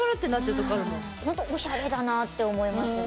ほんとおしゃれだなあって思いますね。